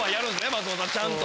松本さんちゃんと。